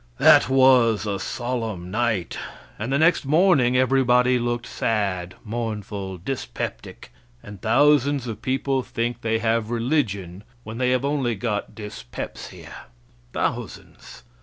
That was a solemn night; and the next morning everybody looked sad, mournful, dyspeptic and thousands of people think they have religion when they have only got dyspepsia thousands!